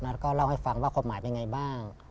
แล้วก็เล่าให้ฟังว่าความหมายเป็นยังไงบ้าง